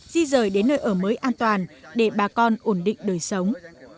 di rời đến nơi ở mới an toàn để bà con ổn định đời sống